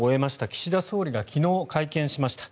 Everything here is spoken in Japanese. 岸田総理が昨日、会見しました。